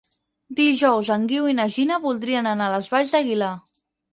Dijous en Guiu i na Gina voldrien anar a les Valls d'Aguilar.